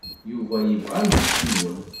Yuba yebɣa ad yessiwel.